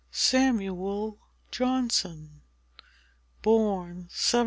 SAMUEL JOHNSON BORN 1709.